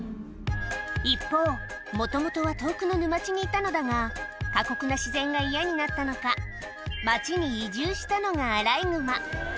一方、もともとは遠くの沼地にいたのだが、過酷な自然が嫌になったのか、街に移住したのが、アライグマ。